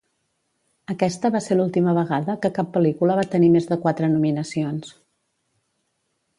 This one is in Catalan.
Aquesta va ser l'última vegada que cap pel·lícula va tenir més de quatre nominacions.